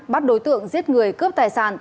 bắt đối tượng giết người cướp tài sản